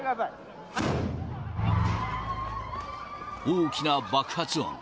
大きな爆発音。